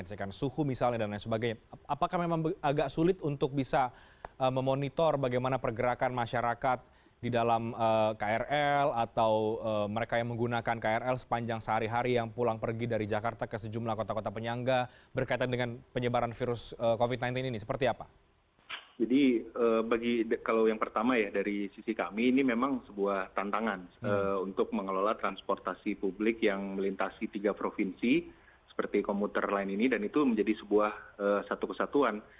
jadi bagi kalau yang pertama ya dari sisi kami ini memang sebuah tantangan untuk mengelola transportasi publik yang melintasi tiga provinsi seperti komuter lain ini dan itu menjadi sebuah satu kesatuan